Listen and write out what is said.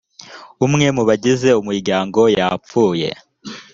umwe mubagize umuryango yapfuye